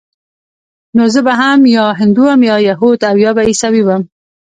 نو زه به هم يا هندو وم يا يهود او يا به عيسوى وم.